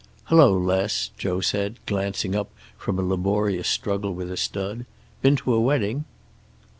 "Hello, Les," Joe said, glancing up from a laborious struggle with a stud. "Been to a wedding?"